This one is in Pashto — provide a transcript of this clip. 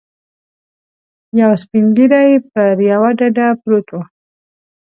یو سپین ږیری پر یوه ډډه پروت و.